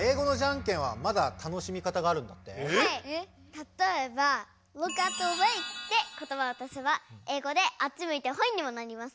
たとえば「Ｌｏｏｋｔｈａｔｗａｙ！」ってことばを足せば英語で「あっちむいてホイ」にもなります。